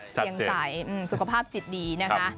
ยังใสสุขภาพจิตดีนะคะ